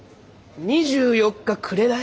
２４日くれない？